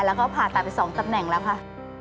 แล้วก็ผ่าตัดไป๒ตำแหน่งแล้วค่ะ